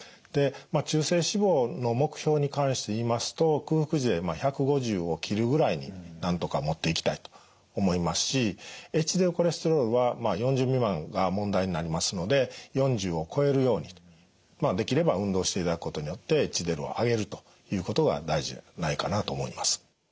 で中性脂肪の目標に関して言いますと空腹時で１５０を切るぐらいになんとかもっていきたいと思いますしＨＤＬコレステロールはまあ４０未満が問題になりますので４０を超えるようにできれば運動していただくことによってＨＤＬを上げるということが大事じゃないかなと思います。